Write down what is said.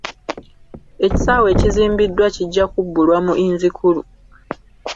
Ekisaawe ekizimbiddwa kijja kubbulwamu Inzikuru.